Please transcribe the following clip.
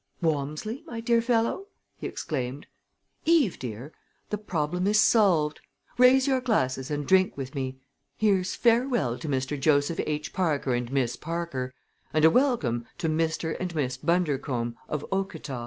"Walmsley, my dear fellow!" he exclaimed. "Eve, dear! The problem is solved! Raise your glasses and drink with me. Here's farewell to Mr. Joseph H. Parker and Miss Parker. And a welcome to Mr. and Miss Bundercombe, of Okata!"